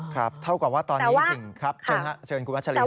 ครับเท่ากว่าว่าตอนนี้สิครับเชิญครับเชิญครับคุณวัชรีครับ